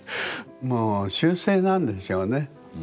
もう習性なんでしょうね。